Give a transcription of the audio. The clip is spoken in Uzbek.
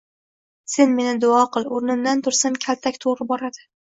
Sen meni duo qil, o‘rnimdan tursam, kaltak to‘g‘ri boradi